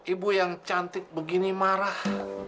ibu yang cantik begini marah